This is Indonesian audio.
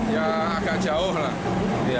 ya agak jauh lah